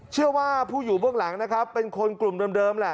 เชื่อว่าผู้อยู่เบื้องหลังนะครับเป็นคนกลุ่มเดิมแหละ